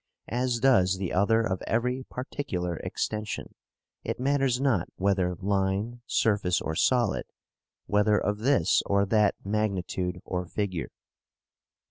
As does the other of every particular extension, it matters not whether line, surface, or solid, whether of this or that magnitude or figure.